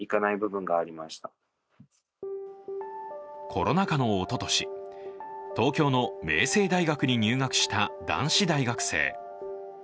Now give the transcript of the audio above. コロナ禍のおととし東京の明星大学に入学した男子大学生。